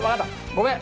ごめん！